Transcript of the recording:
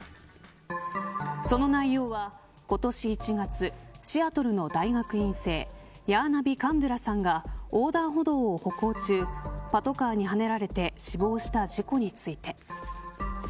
その内容は、今年１月シアトルの大学院生ヤーナヴィ・カンドゥラさんが横断歩道を歩行中パトカーにはねられて死亡した事故について。